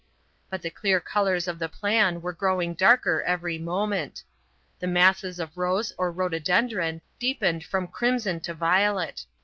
But the clear colours of the plan were growing darker every moment. The masses of rose or rhododendron deepened from crimson to violet.